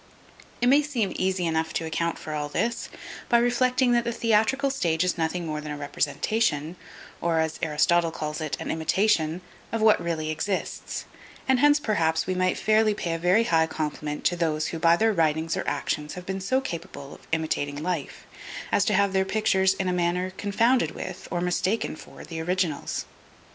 It may seem easy enough to account for all this, by reflecting that the theatrical stage is nothing more than a representation, or, as Aristotle calls it, an imitation of what really exists; and hence, perhaps, we might fairly pay a very high compliment to those who by their writings or actions have been so capable of imitating life, as to have their pictures in a manner confounded with, or mistaken for, the originals.